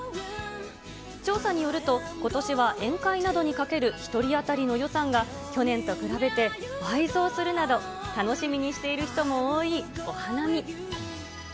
調査によると、ことしは宴会などにかける１人当たりの予算が去年と比べて倍増するなど、楽しみにしている人も多いお花見。